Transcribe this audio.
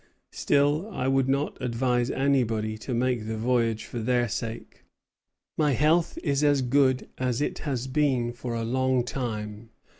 Still, I would not advise anybody to make the voyage for their sake. My health is as good as it has been for a long time.